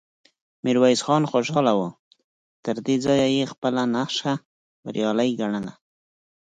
ميرويس خان خوشاله و، تر دې ځايه يې خپله نخشه بريالی ګڼله،